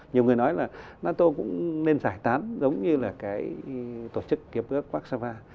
nhiều người nói là nato cũng nên giải tán giống như là cái tổ chức kiếp gấp vác sa va